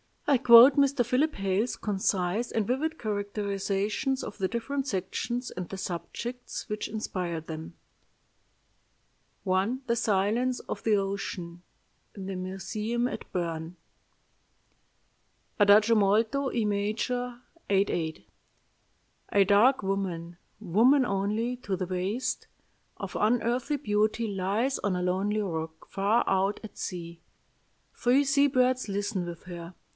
I quote Mr. Philip Hale's concise and vivid characterizations of the different sections and the subjects which inspired them: "I. THE SILENCE OF THE OCEAN (In the museum at Bern) "Adagio molto, E major, 8 8. A dark woman woman only to the waist of unearthly beauty lies on a lonely rock far out at sea. Three sea birds listen with her.